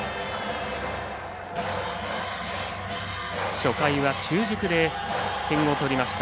初回は中軸で点を取りました。